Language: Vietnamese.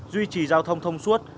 duy trì giao thông thông suốt